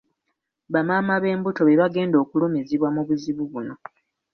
Bamaama b'embuto be bagenda okulumizibwa mu buzibu buno.